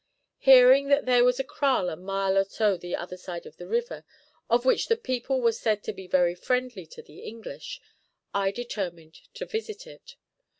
Hearing that there was a kraal a mile or so the other side of the river, of which the people were said to be very friendly to the English, I determined to visit it.